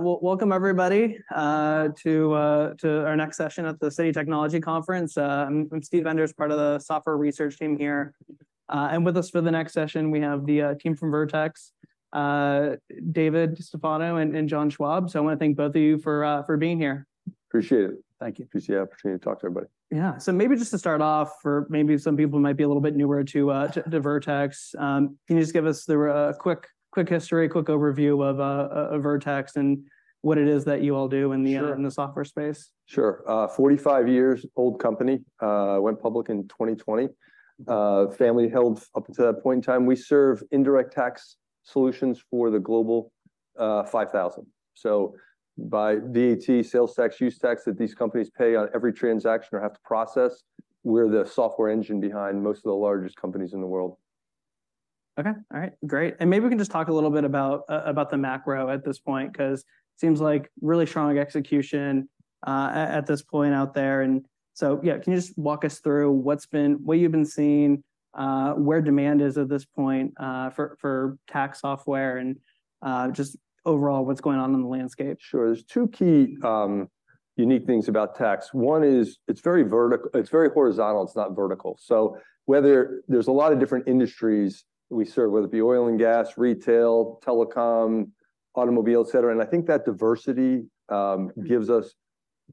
Welcome, everybody, to our next session at the Citi Technology Conference. I'm Steven Enders, part of the software research team here. And with us for the next session, we have the team from Vertex, David DeStefano and John Schwab. So I want to thank both of you for being here. Appreciate it. Thank you. Appreciate the opportunity to talk to everybody. Yeah. So maybe just to start off, for maybe some people who might be a little bit newer to Vertex, can you just give us the quick history, quick overview of Vertex and what it is that you all do in the- Sure.... in the software space? Sure. 45-year-old company, went public in 2020. Family-held up until that point in time. We serve indirect tax solutions for the Global 5,000. So by VAT, sales tax, use tax that these companies pay on every transaction or have to process, we're the software engine behind most of the largest companies in the world. Okay. All right, great. And maybe we can just talk a little bit about the macro at this point, 'cause it seems like really strong execution at this point out there. And so, yeah, can you just walk us through what you've been seeing, where demand is at this point for tax software, and just overall, what's going on in the landscape? Sure. There's two key unique things about tax. One is, it's very horizontal, it's not vertical. So whether there's a lot of different industries we serve, whether it be oil and gas, retail, telecom, automobile, et cetera, and I think that diversity gives us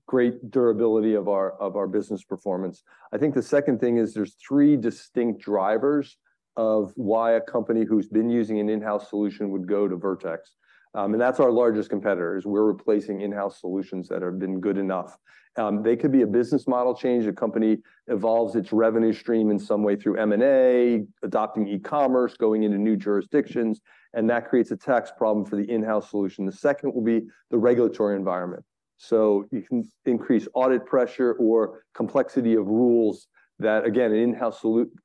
great durability of our business performance. I think the second thing is, there's three distinct drivers of why a company who's been using an in-house solution would go to Vertex. And that's our largest competitor, is we're replacing in-house solutions that have been good enough. They could be a business model change. The company evolves its revenue stream in some way through M&A, adopting e-commerce, going into new jurisdictions, and that creates a tax problem for the in-house solution. The second will be the regulatory environment. So you can increase audit pressure or complexity of rules that, again, an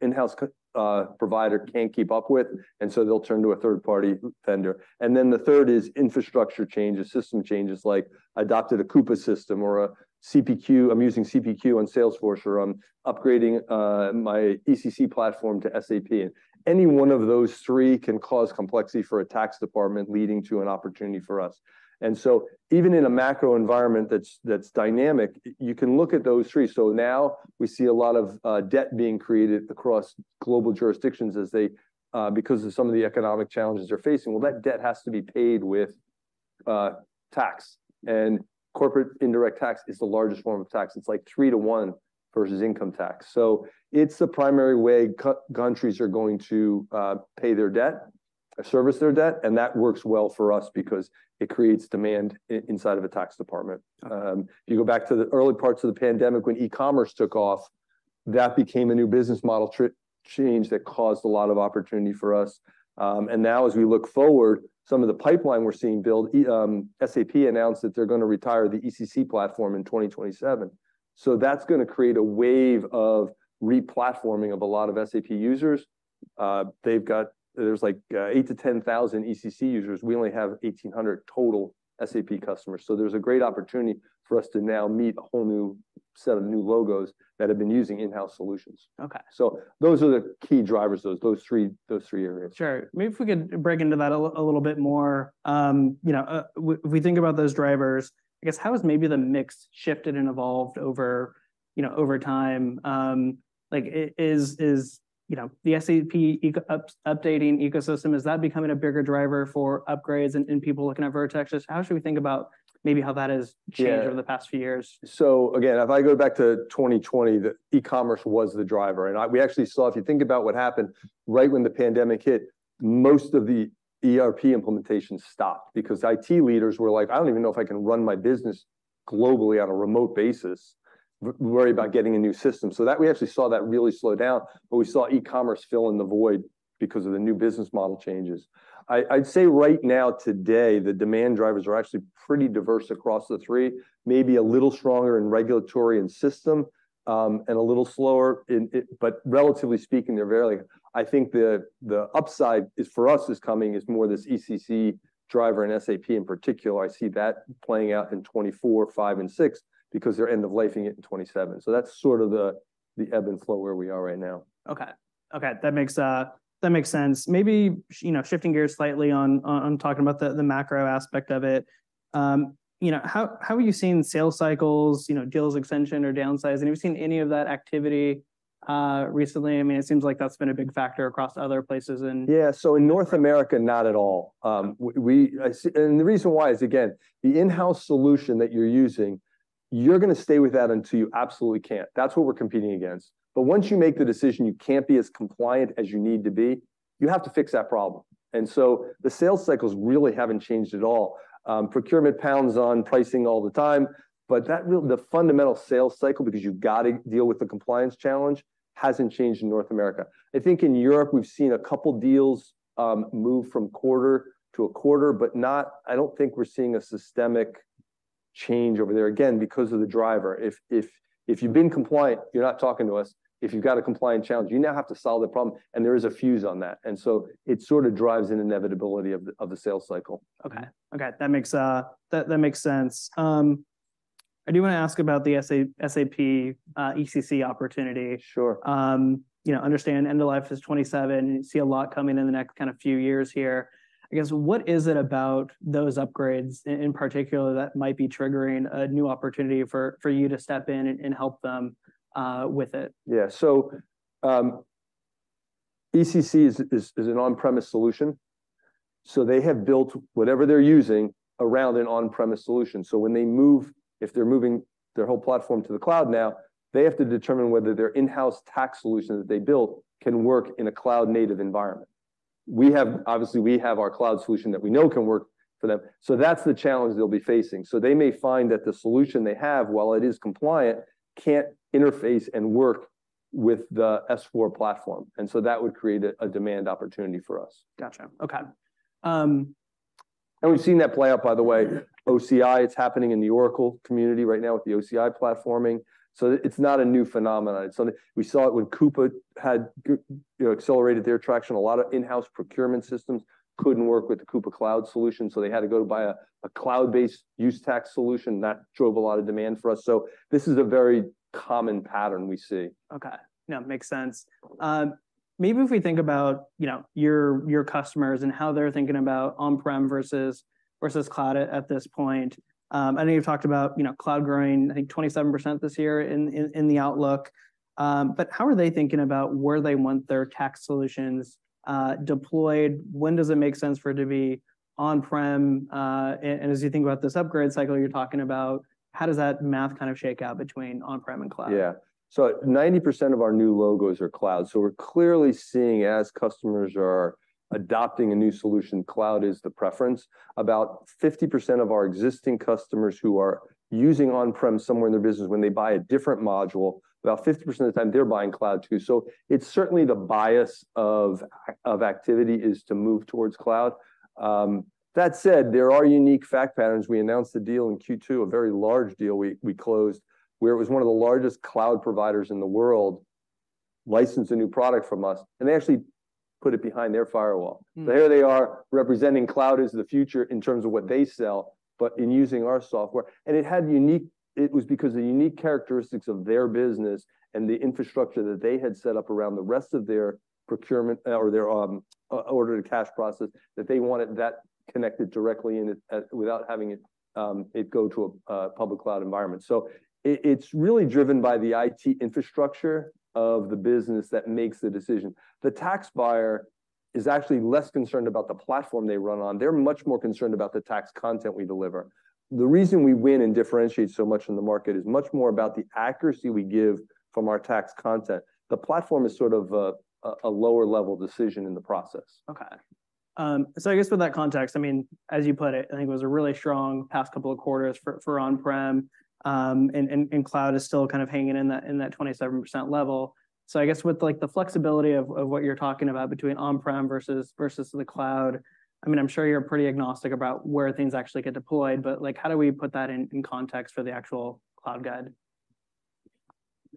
in-house provider can't keep up with, and so they'll turn to a third-party vendor. And then the third is infrastructure changes, system changes, like adopted a Coupa system or a CPQ. I'm using CPQ on Salesforce, or I'm upgrading my ECC platform to SAP. Any one of those three can cause complexity for a tax department, leading to an opportunity for us. And so even in a macro environment that's dynamic, you can look at those three. So now we see a lot of debt being created across global jurisdictions as they because of some of the economic challenges they're facing. Well, that debt has to be paid with tax, and corporate indirect tax is the largest form of tax. It's like 3-to-1 versus income tax. So it's the primary way countries are going to pay their debt, or service their debt, and that works well for us because it creates demand inside of a tax department. If you go back to the early parts of the pandemic, when e-commerce took off, that became a new business model change that caused a lot of opportunity for us. And now as we look forward, some of the pipeline we're seeing build, SAP announced that they're going to retire the ECC platform in 2027. So that's going to create a wave of re-platforming of a lot of SAP users. They've got—there's like 8,000-10,000 ECC users. We only have 1,800 total SAP customers. There's a great opportunity for us to now meet a whole new set of new logos that have been using in-house solutions. Okay. So those are the key drivers, those three areas. Sure. Maybe if we could break into that a little bit more. You know, if we think about those drivers, I guess, how has maybe the mix shifted and evolved over, you know, over time? Like, is, you know, the SAP ecosystem updating, is that becoming a bigger driver for upgrades and people looking at Vertex? Just how should we think about maybe how that has changed- Yeah... over the past few years? So again, if I go back to 2020, the e-commerce was the driver. And we actually saw, if you think about what happened right when the pandemic hit, most of the ERP implementations stopped because IT leaders were like: "I don't even know if I can run my business globally on a remote basis, worry about getting a new system." So that, we actually saw that really slow down, but we saw e-commerce fill in the void because of the new business model changes. I'd say right now, today, the demand drivers are actually pretty diverse across the three, maybe a little stronger in regulatory and system, and a little slower in IT, but relatively speaking, they're very... I think the, the upside is, for us, is coming, is more this ECC driver and SAP in particular. I see that playing out in 2024, 2025, and 2026, because they're end of life-ing it in 2027. So that's sort of the ebb and flow where we are right now. Okay. Okay, that makes, that makes sense. Maybe, you know, shifting gears slightly on, on talking about the, the macro aspect of it, you know, how, how are you seeing sales cycles, you know, deals extension or downsize? And have you seen any of that activity, recently? I mean, it seems like that's been a big factor across other places and- Yeah. So in North America, not at all. And the reason why is, again, the in-house solution that you're using, you're going to stay with that until you absolutely can't. That's what we're competing against. But once you make the decision you can't be as compliant as you need to be, you have to fix that problem. And so the sales cycles really haven't changed at all. Procurement pounds on pricing all the time, but the fundamental sales cycle, because you've got to deal with the compliance challenge, hasn't changed in North America. I think in Europe, we've seen a couple deals move from quarter to a quarter, but not—I don't think we're seeing a systemic change over there, again, because of the driver. If you've been compliant, you're not talking to us. If you've got a compliance challenge, you now have to solve the problem, and there is a fuse on that, and so it sort of drives an inevitability of the, of the sales cycle. Okay. Okay, that makes, that, that makes sense. I do want to ask about the SAP ECC opportunity. Sure. You know, understand end of life is 2027. You see a lot coming in the next kind of few years here. I guess, what is it about those upgrades in particular that might be triggering a new opportunity for you to step in and help them with it? Yeah. So, ECC is an on-premise solution, so they have built whatever they're using around an on-premise solution. So when they move, if they're moving their whole platform to the cloud now, they have to determine whether their in-house tax solution that they built can work in a cloud-native environment. We have obviously, we have our cloud solution that we know can work for them. So that's the challenge they'll be facing. So they may find that the solution they have, while it is compliant, can't interface and work with the S/4 platform, and so that would create a demand opportunity for us. Gotcha. Okay. We've seen that play out, by the way. OCI, it's happening in the Oracle community right now with the OCI platforming, so it, it's not a new phenomenon. It's something. We saw it when Coupa had you know, accelerated their traction. A lot of in-house procurement systems couldn't work with the Coupa cloud solution, so they had to go to buy a, a cloud-based use tax solution. That drove a lot of demand for us. So this is a very common pattern we see. Okay. No, it makes sense. Maybe if we think about, you know, your, your customers and how they're thinking about on-prem versus, versus cloud at, at this point. I know you've talked about, you know, cloud growing, I think, 27% this year in the outlook, but how are they thinking about where they want their tax solutions deployed? When does it make sense for it to be on-prem, and as you think about this upgrade cycle you're talking about, how does that math kind of shake out between on-prem and cloud? Yeah. So 90% of our new logos are cloud. So we're clearly seeing, as customers are adopting a new solution, cloud is the preference. About 50% of our existing customers who are using on-prem somewhere in their business, when they buy a different module, about 50% of the time, they're buying cloud too. So it's certainly the bias of of activity is to move towards cloud. That said, there are unique fact patterns. We announced a deal in Q2, a very large deal we, we closed, where it was one of the largest cloud providers in the world licensed a new product from us, and they actually put it behind their firewall. Mm. So there they are, representing cloud as the future in terms of what they sell, but in using our software. It was because of the unique characteristics of their business and the infrastructure that they had set up around the rest of their procurement, or their order to cash process, that they wanted that connected directly in it, without having it, it go to a public cloud environment. So it, it's really driven by the IT infrastructure of the business that makes the decision. The tax buyer is actually less concerned about the platform they run on. They're much more concerned about the tax content we deliver. The reason we win and differentiate so much in the market is much more about the accuracy we give from our tax content. The platform is sort of a lower-level decision in the process. Okay. So I guess with that context, I mean, as you put it, I think it was a really strong past couple of quarters for on-prem and cloud is still kind of hanging in that 27% level. So I guess with, like, the flexibility of what you're talking about between on-prem versus the cloud, I mean, I'm sure you're pretty agnostic about where things actually get deployed, but, like, how do we put that in context for the actual cloud guide?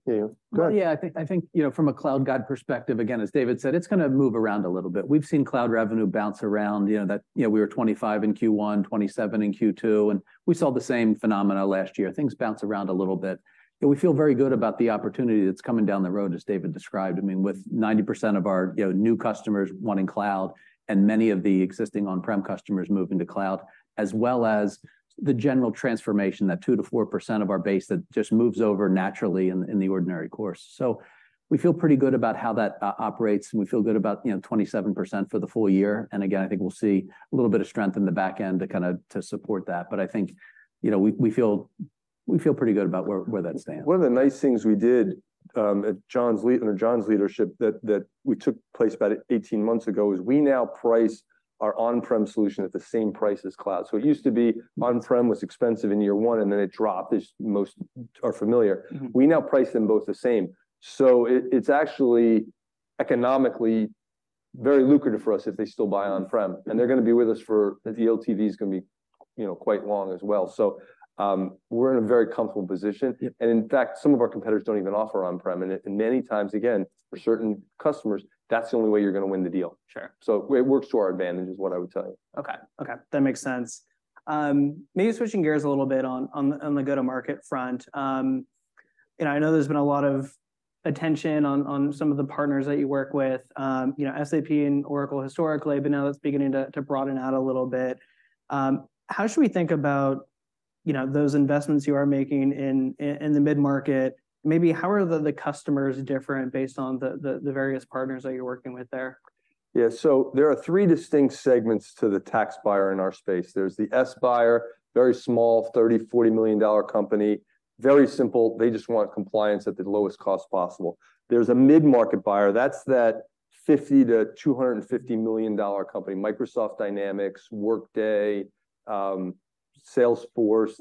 Dave, go ahead. Yeah, I think, I think, you know, from a cloud guide perspective, again, as David said, it's going to move around a little bit. We've seen cloud revenue bounce around. You know, that, you know, we were 25 in Q1, 27 in Q2, and we saw the same phenomena last year. Things bounce around a little bit, but we feel very good about the opportunity that's coming down the road, as David described. I mean, with 90% of our, you know, new customers wanting cloud and many of the existing on-prem customers moving to cloud, as well as the general transformation, that 2%-4% of our base that just moves over naturally in the ordinary course. So we feel pretty good about how that operates, and we feel good about, you know, 27% for the full year. Again, I think we'll see a little bit of strength in the back end to kind of support that. But I think, you know, we feel pretty good about where that stands. One of the nice things we did, under John's leadership, that took place about 18 months ago, is we now price our on-prem solution at the same price as cloud. So it used to be on-prem was expensive in year one, and then it dropped, as most are familiar. Mm-hmm. We now price them both the same. So it's actually economically very lucrative for us if they still buy on-prem- Mm... and they're going to be with us for, the LTV is going to be, you know, quite long as well. So, we're in a very comfortable position. Yep. In fact, some of our competitors don't even offer on-prem, and many times, again, for certain customers, that's the only way you're going to win the deal. Sure. So it works to our advantage, is what I would tell you. Okay. Okay, that makes sense. Maybe switching gears a little bit on the go-to-market front. You know, I know there's been a lot of attention on some of the partners that you work with, you know, SAP and Oracle historically, but now it's beginning to broaden out a little bit. How should we think about, you know, those investments you are making in the mid-market? Maybe how are the customers different based on the various partners that you're working with there? Yeah. So there are three distinct segments to the tax buyer in our space. There's the S buyer, very small, $30-$40 million company. Very simple, they just want compliance at the lowest cost possible. There's a mid-market buyer, that's that $50-$250 million company, Microsoft Dynamics, Workday, Salesforce,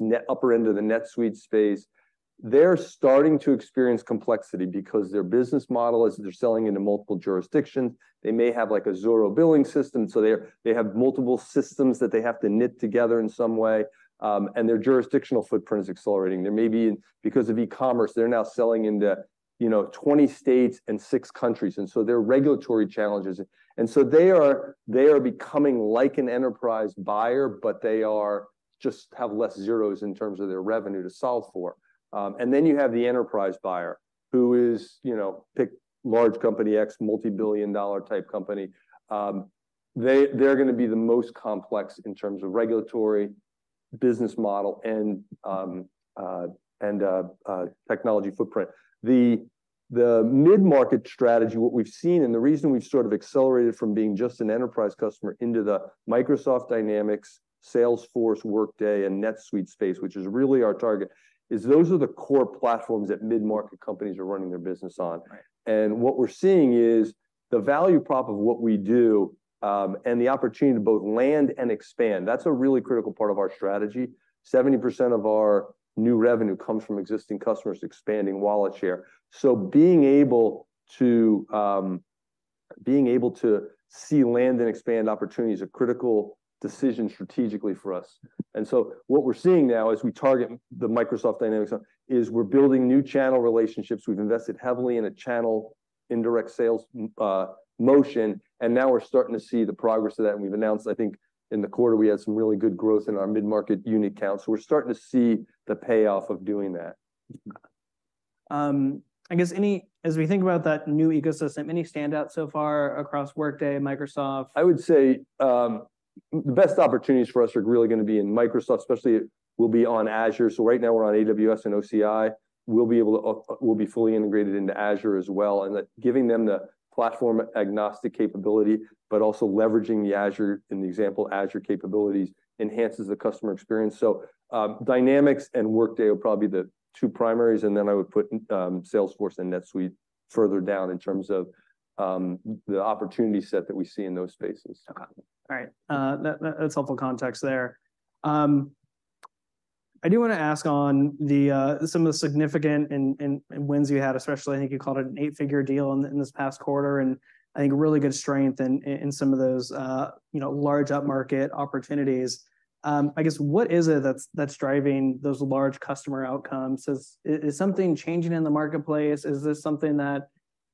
NetSuite upper end of the NetSuite space. They're starting to experience complexity because their business model is, they're selling into multiple jurisdictions. They may have, like, a zero billing system, so they have multiple systems that they have to knit together in some way, and their jurisdictional footprint is accelerating. There may be, because of e-commerce, they're now selling into, you know, 20 states and six countries, and so there are regulatory challenges. And so they are, they are becoming like an enterprise buyer, but they are... just have less zeros in terms of their revenue to solve for. Then you have the enterprise buyer, who is, you know, pick large company X, multibillion-dollar type company. They're going to be the most complex in terms of regulatory, business model and technology footprint. The mid-market strategy, what we've seen and the reason we've sort of accelerated from being just an enterprise customer into the Microsoft Dynamics, Salesforce, Workday, and NetSuite space, which is really our target, is those are the core platforms that mid-market companies are running their business on. Right. What we're seeing is the value prop of what we do, and the opportunity to both land and expand, that's a really critical part of our strategy. 70% of our new revenue comes from existing customers expanding wallet share. So being able to, being able to see land and expand opportunities are critical decision strategically for us. And so what we're seeing now as we target Microsoft Dynamics, is we're building new channel relationships. We've invested heavily in a channel, indirect sales, motion, and now we're starting to see the progress of that. And we've announced, I think, in the quarter, we had some really good growth in our mid-market unit count, so we're starting to see the payoff of doing that. I guess any, as we think about that new ecosystem, any standouts so far across Workday, Microsoft? I would say, the best opportunities for us are really going to be in Microsoft, especially will be on Azure. So right now, we're on AWS and OCI. We'll be fully integrated into Azure as well, and that giving them the platform-agnostic capability, but also leveraging the Azure, in the example, Azure capabilities enhances the customer experience. So, Dynamics and Workday are probably the two primaries, and then I would put, Salesforce and NetSuite further down in terms of, the opportunity set that we see in those spaces. All right. That, that's helpful context there. I do want to ask on the some of the significant and wins you had, especially, I think you called it an eight-figure deal in this past quarter, and I think really good strength in some of those, you know, large upmarket opportunities. I guess, what is it that's driving those large customer outcomes? Is something changing in the marketplace? Is this something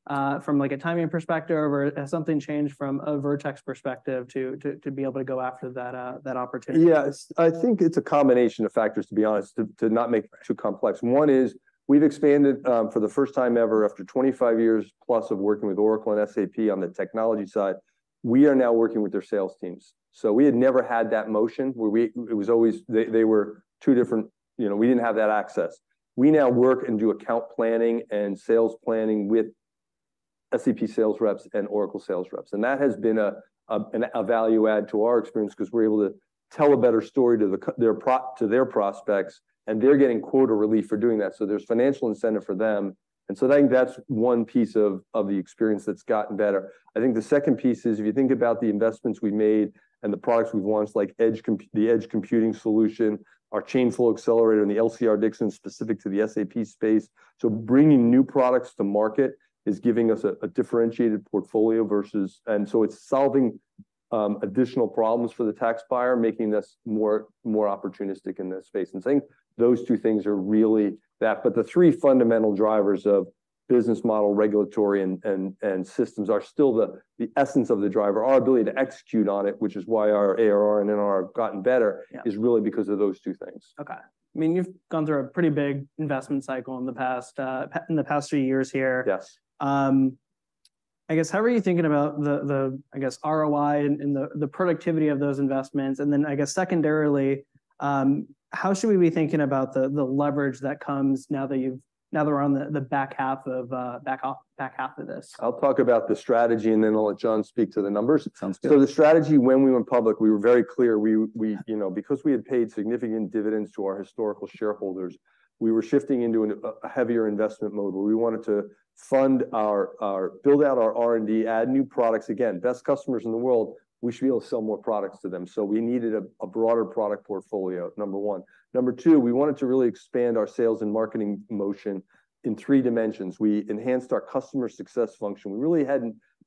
that, from, like, a timing perspective, or has something changed from a Vertex perspective to be able to go after that that opportunity? Yeah, I think it's a combination of factors, to be honest, to not make it too complex. One is, we've expanded for the first time ever, after 25 years plus of working with Oracle and SAP on the technology side, we are now working with their sales teams. So we had never had that motion, where we... It was always they were two different- you know, we didn't have that access. We now work and do account planning and sales planning with SAP sales reps and Oracle sales reps, and that has been a value add to our experience because we're able to tell a better story to their prospects, and they're getting quota relief for doing that. So there's financial incentive for them, and so I think that's one piece of the experience that's gotten better. I think the second piece is, if you think about the investments we've made and the products we've launched, like the Edge Computing solution, our Chain Flow Accelerator, and the LCR-Dixon, specific to the SAP space. So bringing new products to market is giving us a differentiated portfolio versus... And so it's solving additional problems for the tax buyer, making us more opportunistic in that space. And I think those two things are really that. But the three fundamental drivers of business model, regulatory, and systems are still the essence of the driver. Our ability to execute on it, which is why our ARR and NRR have gotten better- Yeah. is really because of those two things. Okay. I mean, you've gone through a pretty big investment cycle in the past, in the past few years here. Yes. I guess, how are you thinking about the ROI and the productivity of those investments? And then, I guess, secondarily, how should we be thinking about the leverage that comes now that you've-- now that we're on the back half of back half of this? I'll talk about the strategy, and then I'll let John speak to the numbers. Sounds good. So the strategy when we went public, we were very clear. We, you know, because we had paid significant dividends to our historical shareholders, we were shifting into a heavier investment mode, where we wanted to fund our build out our R&D, add new products. Again, best customers in the world, we should be able to sell more products to them, so we needed a broader product portfolio, number one. Number two, we wanted to really expand our sales and marketing motion in three dimensions. We enhanced our customer success function. We really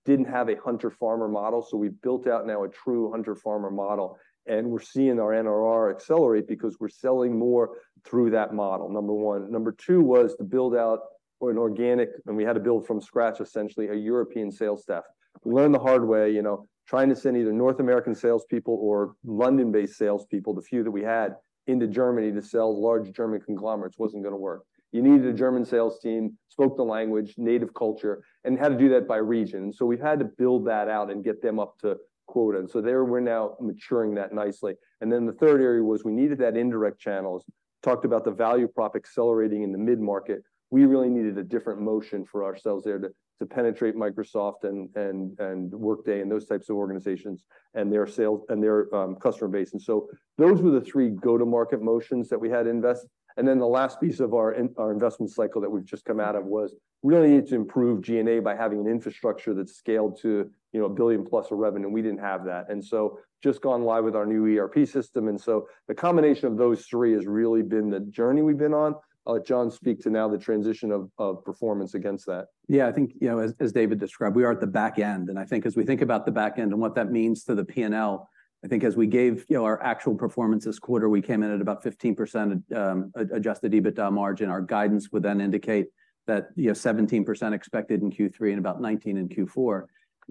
didn't have a hunter-farmer model, so we built out now a true hunter-farmer model, and we're seeing our NRR accelerate because we're selling more through that model, number one. Number two was to build out an organic, and we had to build from scratch, essentially, a European sales staff. We learned the hard way, you know, trying to send either North American salespeople or London-based salespeople, the few that we had, into Germany to sell large German conglomerates wasn't going to work. You needed a German sales team, spoke the language, native culture, and had to do that by region. So we've had to build that out and get them up to quota, and so there we're now maturing that nicely. And then the third area was we needed that indirect channels. Talked about the value prop accelerating in the mid-market. We really needed a different motion for ourselves there to penetrate Microsoft and Workday and those types of organizations and their sales and their customer base. And so those were the three go-to-market motions that we had to invest. And then the last piece of our our investment cycle that we've just come out of was we really need to improve G&A by having an infrastructure that's scaled to, you know, $1 billion+ of revenue, and we didn't have that. And so just gone live with our new ERP system, and so the combination of those three has really been the journey we've been on. I'll let John speak to now the transition of performance against that. Yeah, I think, you know, as, as David described, we are at the back end, and I think as we think about the back end and what that means to the P&L, I think as we gave, you know, our actual performance this quarter, we came in at about 15%, adjusted EBITDA margin. Our guidance would then indicate that, you know, 17% expected in Q3 and about 19 in Q4.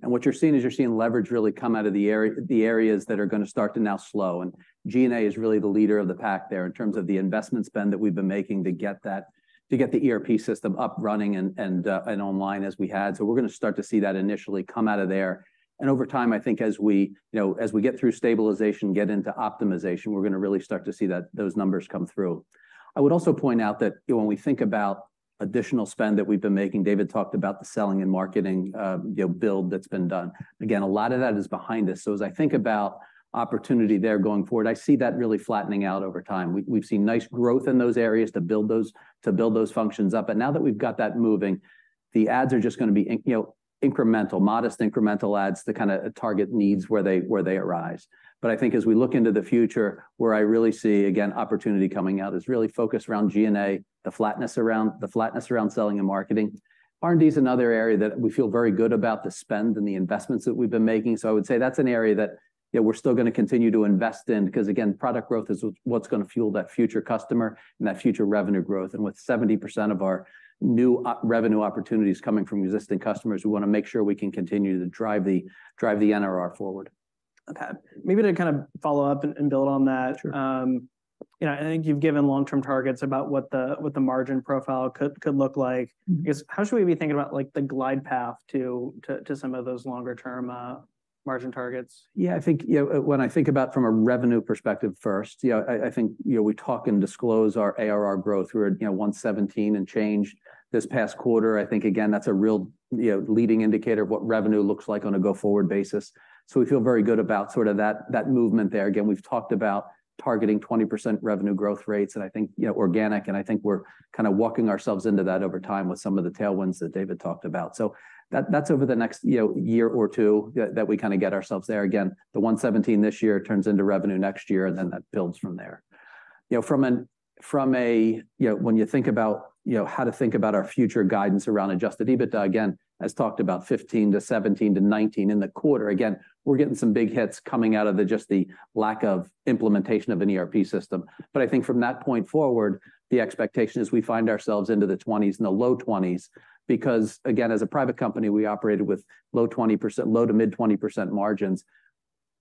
And what you're seeing is you're seeing leverage really come out of the areas that are going to start to now slow, and G&A is really the leader of the pack there in terms of the investment spend that we've been making to get the ERP system up, running, and online as we had. So we're going to start to see that initially come out of there. And over time, I think as we, you know, as we get through stabilization, get into optimization, we're going to really start to see that, those numbers come through. I would also point out that when we think about-... additional spend that we've been making. David talked about the selling and marketing, you know, build that's been done. Again, a lot of that is behind us. So as I think about opportunity there going forward, I see that really flattening out over time. We've seen nice growth in those areas to build those, to build those functions up. But now that we've got that moving, the ads are just gonna be, you know, incremental, modest incremental ads to kind of target needs where they, where they arise. But I think as we look into the future, where I really see, again, opportunity coming out is really focused around G&A, the flatness around, the flatness around selling and marketing. R&D is another area that we feel very good about the spend and the investments that we've been making. So I would say that's an area that, yeah, we're still gonna continue to invest in, because, again, product growth is what's gonna fuel that future customer and that future revenue growth. And with 70% of our new logo revenue opportunities coming from existing customers, we wanna make sure we can continue to drive the NRR forward. Okay. Maybe to kind of follow up and build on that- Sure. You know, I think you've given long-term targets about what the margin profile could look like. Mm-hmm. I guess, how should we be thinking about, like, the glide path to some of those longer term margin targets? Yeah, I think, you know, when I think about from a revenue perspective first, yeah, I think, you know, we talk and disclose our ARR growth. We're at, you know, $117 and change this past quarter. I think, again, that's a real, you know, leading indicator of what revenue looks like on a go-forward basis. So we feel very good about sort of that, that movement there. Again, we've talked about targeting 20% revenue growth rates, and I think, you know, organic, and I think we're kind of walking ourselves into that over time with some of the tailwinds that David talked about. So that's over the next, you know, year or two that, that we kind of get ourselves there. Again, the $117 this year turns into revenue next year, and then that builds from there. You know, from a... You know, when you think about, you know, how to think about our future guidance around adjusted EBITDA, again, as talked about 15-17 to 19 in the quarter. Again, we're getting some big hits coming out of just the lack of implementation of an ERP system. But I think from that point forward, the expectation is we find ourselves into the 20s, in the low 20s, because, again, as a private company, we operated with low 20%-low- to mid-20% margins.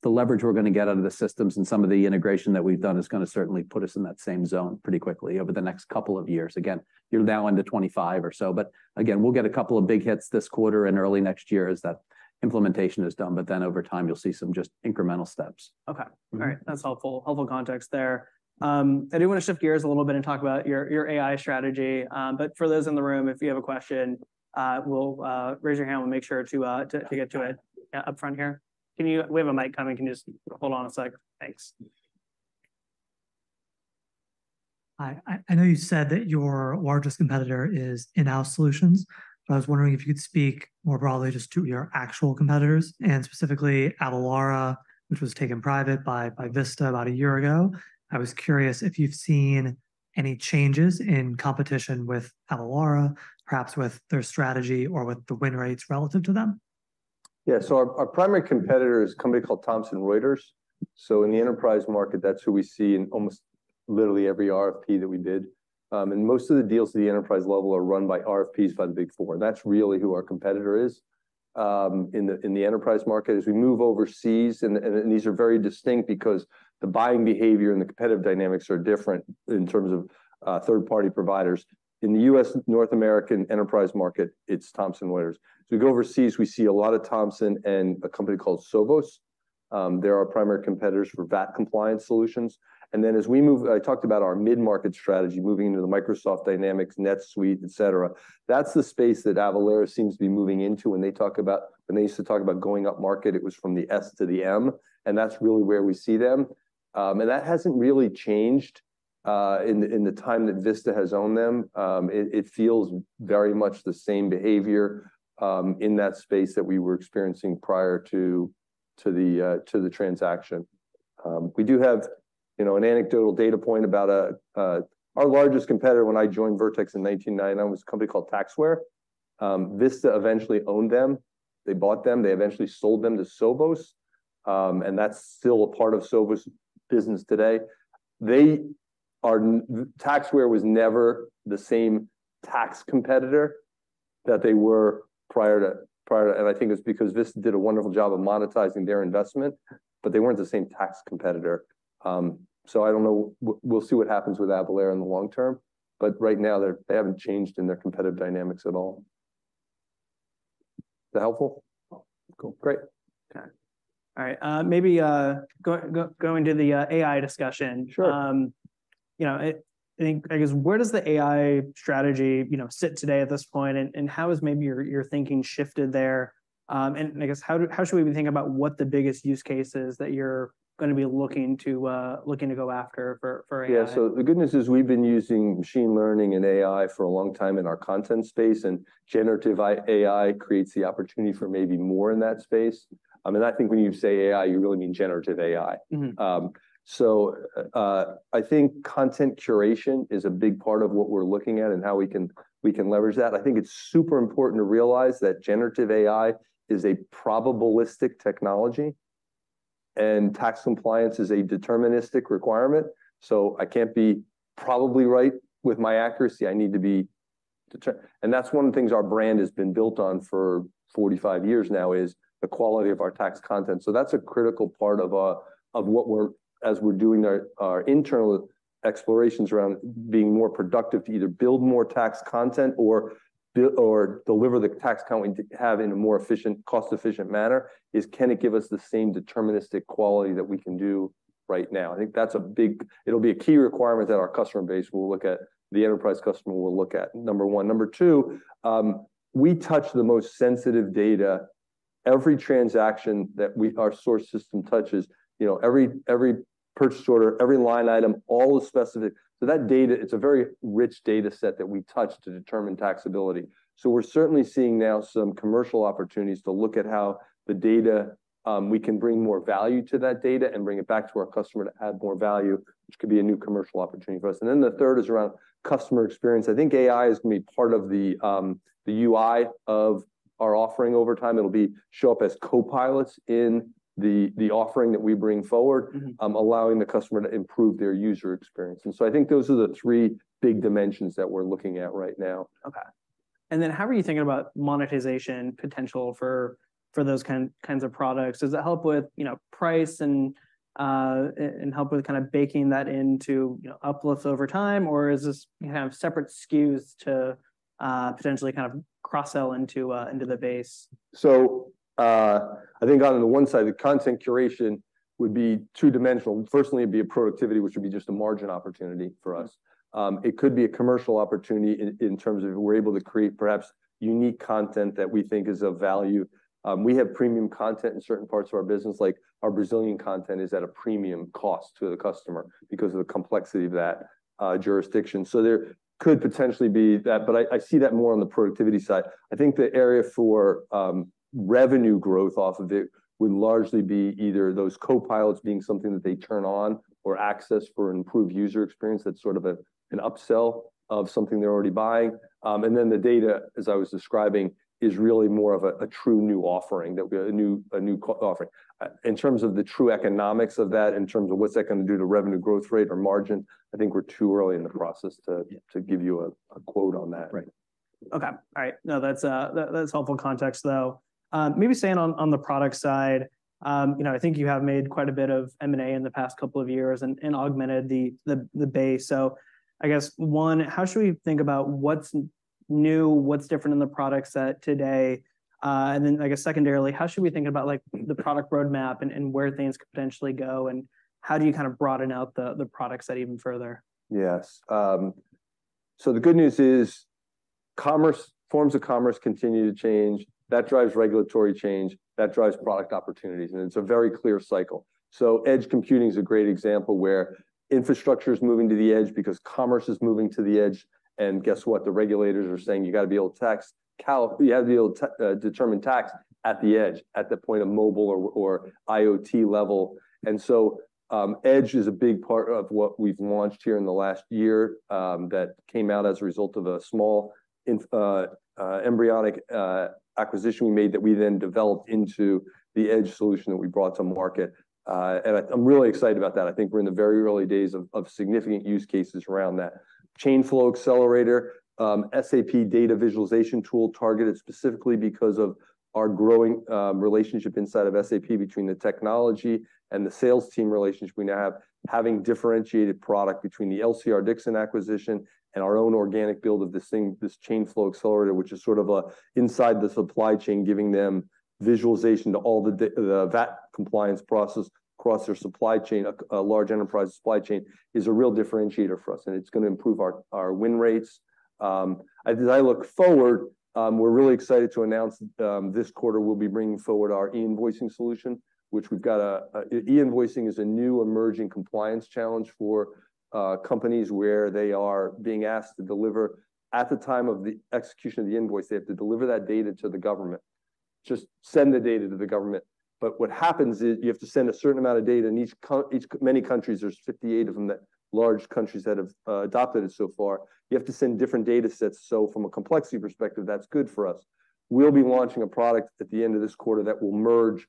The leverage we're gonna get out of the systems and some of the integration that we've done is gonna certainly put us in that same zone pretty quickly over the next couple of years. Again, you're now into 25 or so, but again, we'll get a couple of big hits this quarter and early next year as that implementation is done, but then over time, you'll see some just incremental steps. Okay. Mm-hmm. All right, that's helpful, helpful context there. I do wanna shift gears a little bit and talk about your AI strategy. But for those in the room, if you have a question, well, raise your hand and we'll make sure to get to it. Yeah. Yeah, up front here. Can you-- We have a mic coming. Can you just hold on a sec? Thanks. Hi. I know you said that your largest competitor is in-house solutions, but I was wondering if you could speak more broadly just to your actual competitors, and specifically Avalara, which was taken private by Vista about a year ago. I was curious if you've seen any changes in competition with Avalara, perhaps with their strategy or with the win rates relative to them? Yeah. So our primary competitor is a company called Thomson Reuters. So in the enterprise market, that's who we see in almost literally every RFP that we bid. And most of the deals at the enterprise level are run by RFPs by the Big Four, and that's really who our competitor is in the enterprise market. As we move overseas, these are very distinct because the buying behavior and the competitive dynamics are different in terms of third-party providers. In the U.S., North American enterprise market, it's Thomson Reuters. As we go overseas, we see a lot of Thomson and a company called Sovos. They're our primary competitors for VAT compliance solutions. And then, as we move. I talked about our mid-market strategy, moving into the Microsoft Dynamics, NetSuite, et cetera. That's the space that Avalara seems to be moving into. When they used to talk about going upmarket, it was from the S to the M, and that's really where we see them. And that hasn't really changed in the time that Vista has owned them. It feels very much the same behavior in that space that we were experiencing prior to the transaction. We do have, you know, an anecdotal data point about our largest competitor when I joined Vertex in 1999 was a company called Taxware. Vista eventually owned them. They bought them, they eventually sold them to Sovos, and that's still a part of Sovos' business today. Taxware was never the same tax competitor that they were prior to. And I think it's because Vista did a wonderful job of monetizing their investment, but they weren't the same tax competitor. So I don't know. We'll see what happens with Avalara in the long term, but right now, they haven't changed in their competitive dynamics at all. Is that helpful? Cool. Great. Okay. All right, maybe go into the AI discussion. Sure. You know, I think, I guess, where does the AI strategy, you know, sit today at this point, and how has maybe your thinking shifted there? And I guess, how should we be thinking about what the biggest use case is that you're gonna be looking to go after for AI? Yeah. So the good news is we've been using machine learning and AI for a long time in our content space, and generative AI creates the opportunity for maybe more in that space. And I think when you say AI, you really mean generative AI. Mm-hmm. I think content curation is a big part of what we're looking at and how we can leverage that. I think it's super important to realize that generative AI is a probabilistic technology, and tax compliance is a deterministic requirement, so I can't be probably right with my accuracy. I need to be deter- And that's one of the things our brand has been built on for 45 years now, is the quality of our tax content. So that's a critical part of what we're as we're doing our internal explorations around being more productive, to either build more tax content or- ... build or deliver the tax content we do have in a more efficient, cost-efficient manner, is can it give us the same deterministic quality that we can do right now? I think that's a big-- It'll be a key requirement that our customer base will look at, the enterprise customer will look at, number one. Number two, we touch the most sensitive data. Every transaction that we, our source system touches, you know, every purchase order, every line item, all the specific... So that data, it's a very rich data set that we touch to determine taxability. So we're certainly seeing now some commercial opportunities to look at how the data, we can bring more value to that data and bring it back to our customer to add more value, which could be a new commercial opportunity for us. And then the third is around customer experience. I think AI is gonna be part of the UI of our offering over time. It'll be show up as copilots in the offering that we bring forward- Mm-hmm. allowing the customer to improve their user experience. And so I think those are the three big dimensions that we're looking at right now. Okay. And then how are you thinking about monetization potential for those kinds of products? Does it help with, you know, price and help with kind of baking that into, you know, uplifts over time? Or is this kind of separate SKUs to potentially kind of cross-sell into the base? So, I think on the one side, the content curation would be two-dimensional. Firstly, it'd be a productivity, which would be just a margin opportunity for us. It could be a commercial opportunity in terms of we're able to create perhaps unique content that we think is of value. We have premium content in certain parts of our business, like our Brazilian content is at a premium cost to the customer because of the complexity of that jurisdiction. So there could potentially be that, but I see that more on the productivity side. I think the area for revenue growth off of it would largely be either those Copilots being something that they turn on or access for improved user experience, that's sort of an upsell of something they're already buying. And then the data, as I was describing, is really more of a true new offering. There'll be a new co-offering. In terms of the true economics of that, in terms of what's that going to do to revenue growth rate or margin, I think we're too early in the process to- Yeah... to give you a quote on that. Right. Okay, all right. No, that's, that, that's helpful context, though. Maybe staying on the product side, you know, I think you have made quite a bit of M&A in the past couple of years and augmented the base. So I guess, one, how should we think about what's new, what's different in the product set today? And then, I guess, secondarily, how should we think about, like, the product roadmap and where things could potentially go, and how do you kind of broaden out the product set even further? Yes. So the good news is commerce, forms of commerce continue to change. That drives regulatory change, that drives product opportunities, and it's a very clear cycle. So edge computing is a great example where infrastructure is moving to the edge because commerce is moving to the edge, and guess what? The regulators are saying you've got to be able to determine tax at the edge, at the point of mobile or, or IoT level. And so, edge is a big part of what we've launched here in the last year, that came out as a result of a small embryonic acquisition we made, that we then developed into the edge solution that we brought to market. And I, I'm really excited about that. I think we're in the very early days of, of significant use cases around that. Chain Flow Accelerator, SAP data visualization tool, targeted specifically because of our growing, relationship inside of SAP between the technology and the sales team relationship we now have. Having differentiated product between the LCR-Dixon acquisition and our own organic build of this thing, this Chain Flow Accelerator, which is sort of a inside the supply chain, giving them visualization to all the the VAT compliance process across their supply chain, a large enterprise supply chain, is a real differentiator for us, and it's going to improve our, our win rates. As I look forward, we're really excited to announce, this quarter, we'll be bringing forward our e-invoicing solution, which we've got a, a... E-invoicing is a new emerging compliance challenge for companies where they are being asked to deliver, at the time of the execution of the invoice, they have to deliver that data to the government. Just send the data to the government. But what happens is, you have to send a certain amount of data, and many countries, there's 58 of them, the large countries that have adopted it so far, you have to send different data sets. So from a complexity perspective, that's good for us. We'll be launching a product at the end of this quarter that will merge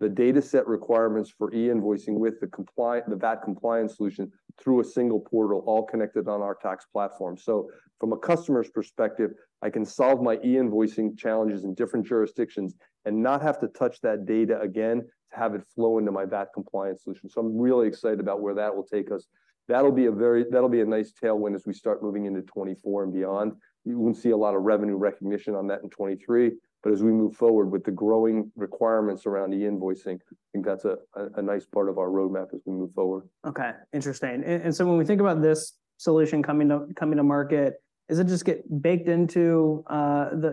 the data set requirements for e-invoicing with the VAT compliance solution through a single portal, all connected on our tax platform. So from a customer's perspective, I can solve my e-invoicing challenges in different jurisdictions and not have to touch that data again to have it flow into my VAT compliance solution. So I'm really excited about where that will take us. That'll be a nice tailwind as we start moving into 2024 and beyond. You won't see a lot of revenue recognition on that in 2023, but as we move forward with the growing requirements around e-invoicing, I think that's a nice part of our roadmap as we move forward. Okay, interesting. And so when we think about this solution coming to market, does it just get baked into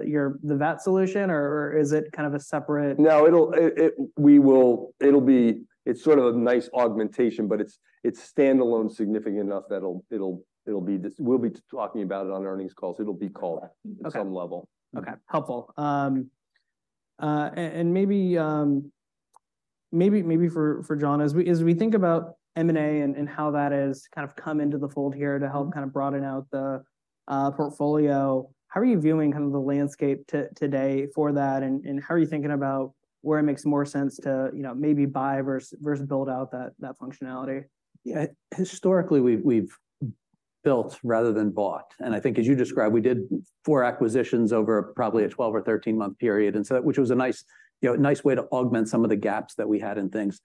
your VAT solution, or is it kind of a separate- No, it'll be. It's sort of a nice augmentation, but it's standalone significant enough that it'll be this. We'll be talking about it on earnings calls. It'll be called- Okay... at some level. Okay, helpful. And maybe for John, as we think about M&A and how that has kind of come into the fold here to help kind of broaden out the portfolio, how are you viewing kind of the landscape today for that, and how are you thinking about where it makes more sense to, you know, maybe buy versus build out that functionality? Yeah, historically, we've built rather than bought. And I think as you described, we did four acquisitions over probably a 12- or 13-month period, and so, which was a nice, you know, nice way to augment some of the gaps that we had in things.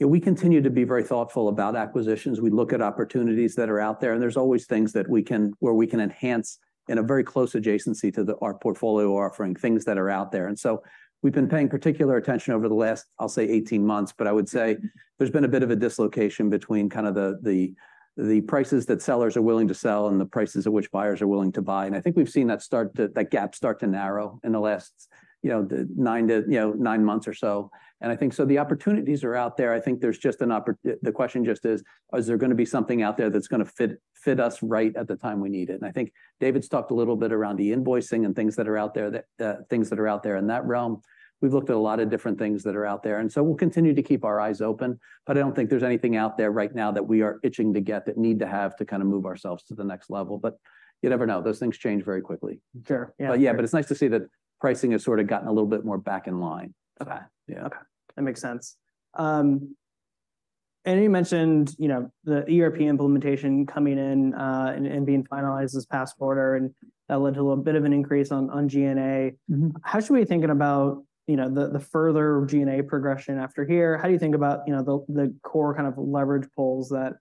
Yeah, we continue to be very thoughtful about acquisitions. We look at opportunities that are out there, and there's always things where we can enhance in a very close adjacency to our portfolio offering, things that are out there. And so we've been paying particular attention over the last, I'll say, 18 months, but I would say there's been a bit of a dislocation between kind of the prices that sellers are willing to sell and the prices at which buyers are willing to buy. I think we've seen that gap start to narrow in the last, you know, nine months or so. I think the opportunities are out there. I think there's just an opportunity. The question just is: Is there gonna be something out there that's gonna fit us right at the time we need it? And I think David's talked a little bit around the invoicing and things that are out there, the things that are out there in that realm. We've looked at a lot of different things that are out there, and so we'll continue to keep our eyes open. But I don't think there's anything out there right now that we are itching to get, that need to have to kind of move ourselves to the next level. But you never know. Those things change very quickly. Sure, yeah. Yeah, but it's nice to see that pricing has sort of gotten a little bit more back in line. Okay. Yeah. Okay, that makes sense. And you mentioned, you know, the ERP implementation coming in, and being finalized this past quarter, and that led to a bit of an increase on G&A. Mm-hmm. How should we be thinking about, you know, the further G&A progression after here? How do you think about, you know, the core kind of leverage pulls that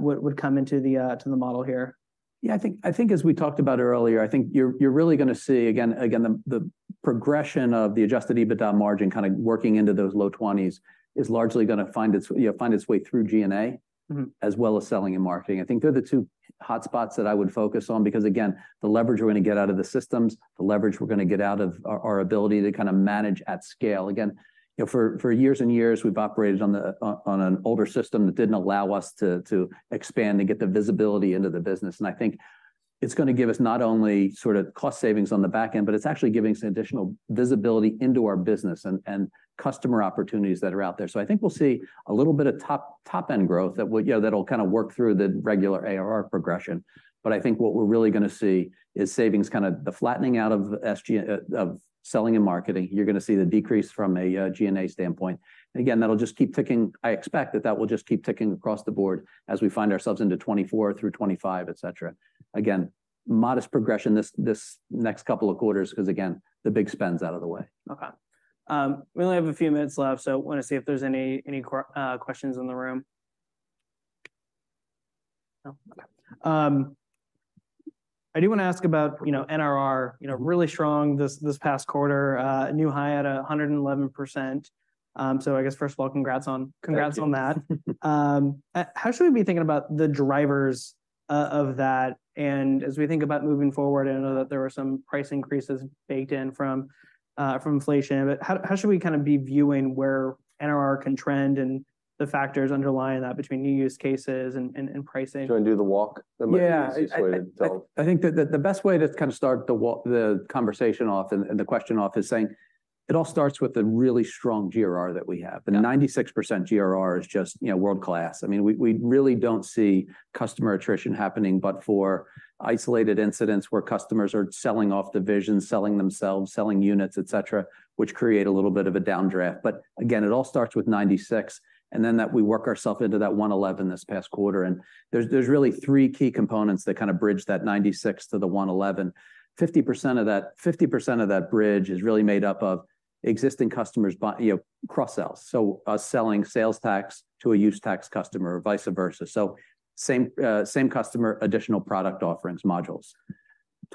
would come into the model here? Yeah, I think as we talked about earlier, I think you're really gonna see again the progression of the adjusted EBITDA margin kind of working into those low twenties is largely gonna find its, you know, way through G&A. Mm-hmm... as well as selling and marketing. I think they're the two hotspots that I would focus on, because, again, the leverage we're gonna get out of the systems, the leverage we're gonna get out of our ability to kind of manage at scale. Again, you know, for years and years, we've operated on an older system that didn't allow us to expand and get the visibility into the business. And I think it's gonna give us not only sort of cost savings on the back end, but it's actually giving us additional visibility into our business and customer opportunities that are out there. So I think we'll see a little bit of top-end growth that will, you know, that'll kind of work through the regular ARR progression. But I think what we're really gonna see is savings, kind of the flattening out of SG&A, selling and marketing. You're gonna see the decrease from a G&A standpoint. Again, that'll just keep ticking... I expect that that will just keep ticking across the board as we find ourselves into 2024 through 2025, et cetera. Again, modest progression this next couple of quarters, 'cause again, the big spend's out of the way. Okay. We only have a few minutes left, so want to see if there's any questions in the room. No? Okay. I do want to ask about, you know, NRR. You know, really strong this past quarter, a new high at 111%. So I guess, first of all, congrats on that. How should we be thinking about the drivers of that? And as we think about moving forward, I know that there were some price increases baked in from inflation, but how should we kind of be viewing where NRR can trend and the factors underlying that between new use cases and pricing? Do you want to do the walk? Yeah. That might be the easiest way to tell. I think that the best way to kind of start the conversation off and the question off is saying it all starts with the really strong GRR that we have. Yeah. The 96% GRR is just, you know, world-class. I mean, we, we really don't see customer attrition happening, but for isolated incidents where customers are selling off divisions, selling themselves, selling units, et cetera, which create a little bit of a downdraft. But again, it all starts with 96, and then that we work ourself into that 111 this past quarter. And there's, there's really three key components that kind of bridge that 96 to the 111. 50% of that, 50% of that bridge is really made up of existing customers buying, you know, cross-sells, so us selling sales tax to a use tax customer, or vice versa. So same, same customer, additional product offerings, modules.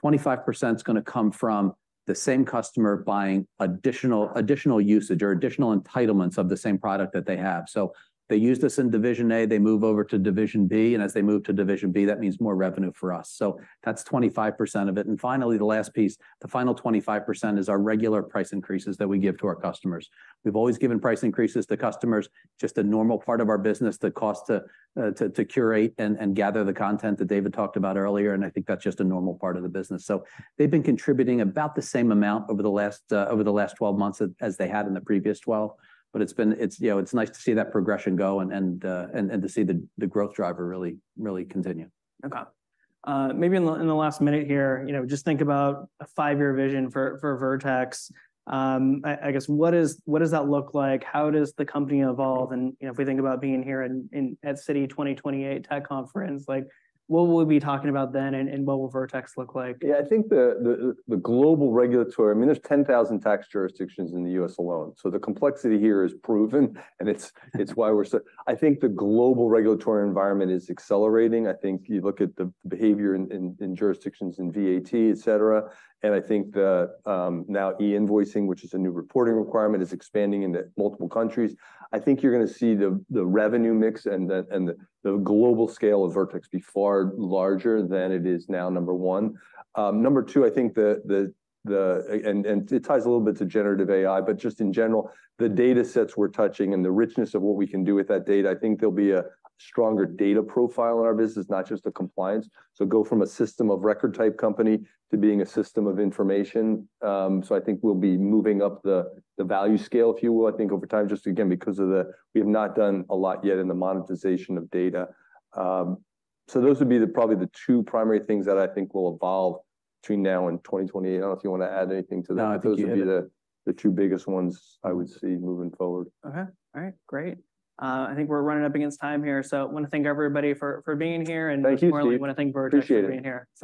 25%'s gonna come from the same customer buying additional, additional usage or additional entitlements of the same product that they have. So they used us in division A, they move over to division B, and as they move to division B, that means more revenue for us, so that's 25% of it. And finally, the last piece, the final 25%, is our regular price increases that we give to our customers. We've always given price increases to customers, just a normal part of our business, the cost to curate and gather the content that David talked about earlier, and I think that's just a normal part of the business. So they've been contributing about the same amount over the last 12 months as they had in the previous 12. But it's been. It's, you know, it's nice to see that progression go and to see the growth driver really continue. Okay. Maybe in the last minute here, you know, just think about a five-year vision for Vertex. I guess, what is, what does that look like? How does the company evolve? And, you know, if we think about being here at Citi 2028 tech conference, like, what will we be talking about then, and what will Vertex look like? Yeah, I think the global regulatory—I mean, there's 10,000 tax jurisdictions in the US alone, so the complexity here is proven, and it's why we're so—I think the global regulatory environment is accelerating. I think you look at the behavior in jurisdictions in VAT, et cetera, and I think that now E-invoicing, which is a new reporting requirement, is expanding into multiple countries. I think you're gonna see the revenue mix and the global scale of Vertex be far larger than it is now, number one. Number two, I think the... And it ties a little bit to generative AI, but just in general, the data sets we're touching and the richness of what we can do with that data, I think there'll be a stronger data profile in our business, not just the compliance. So go from a system of record-type company to being a system of information. So I think we'll be moving up the value scale, if you will, I think over time, just again, because we have not done a lot yet in the monetization of data. So those would be the probably the two primary things that I think will evolve between now and 2028. I don't know if you want to add anything to that. No, I think you hit it. Those would be the two biggest ones I would see moving forward. Okay. All right, great. I think we're running up against time here, so I want to thank everybody for being here- Thank you, Steve.... and more, I want to thank Vertex- Appreciate it... for being here.